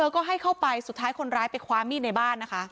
ก็ให้เข้าไปสุดท้ายคนร้ายไปคว้ามีดในบ้านนะคะ